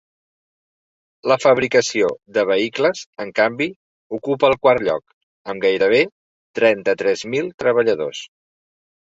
La fabricació de vehicles, en canvi, ocupa el quart lloc, amb gairebé trenta-tres mil treballadors.